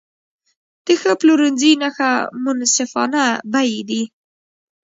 د ښه پلورنځي نښه منصفانه بیې دي.